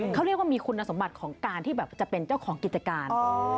เขาเรียกว่ามีคุณสมบัติของการที่แบบจะเป็นเจ้าของกิจการ